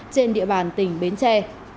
trên địa bàn tỉnh bến tre